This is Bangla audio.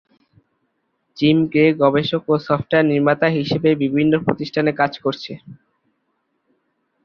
জিম গ্রে গবেষক ও সফটওয়ার নির্মাতা হিসাবে বিভিন্ন প্রতিষ্ঠানে কাজ করেন।